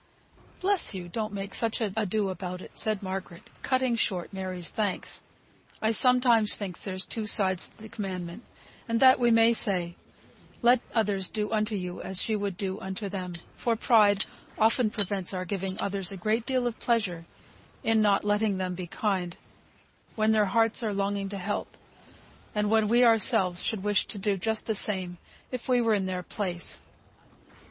"Bless you! don't make such ado about it," said Margaret, cutting short Mary's thanks. "I sometimes think there's two sides to the commandment; and that we may say, 'Let others do unto you, as you would do unto them,' for pride often prevents our giving others a great deal of pleasure, in not letting them be kind, when their hearts are longing to help; and when we ourselves should wish to do just the same, if we were in their place.